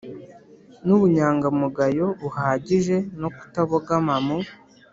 n ubunyangamugayo buhagije no kutabogama mu